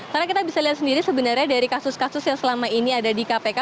karena kita bisa lihat sendiri sebenarnya dari kasus kasus yang selama ini ada di kpk